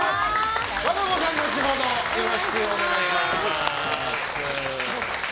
和歌子さん、後ほどよろしくお願いします。